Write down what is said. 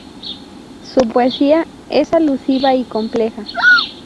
Su poesía es alusiva y compleja.